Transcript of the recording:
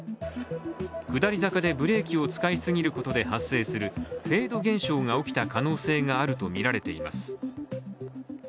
下り坂でブレーキを使いすぎることで発生するフェード現象が起きた可能性があるとみられています。